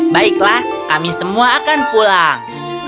baiklah kami semua akan pulang